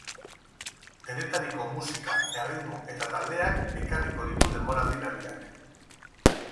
Denetariko musika, erritmo eta taldeak ekarriko ditu denboraldi berriak.